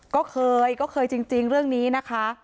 ก็เคยก็เคยจริงเรื่องนี้นะคะ